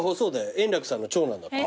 円楽さんの長男だった。